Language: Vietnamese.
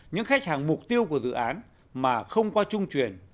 những khách hàng mục tiêu của dự án mà không qua chung chuyển